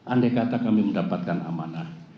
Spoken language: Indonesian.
andai kata kami mendapatkan amanah